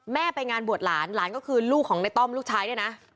ไปงานบวชหลานหลานก็คือลูกของในต้อมลูกชายด้วยนะ